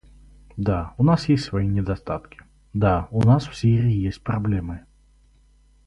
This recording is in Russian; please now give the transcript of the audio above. Да, у нас есть свои недостатки; да, у нас в Сирии есть проблемы.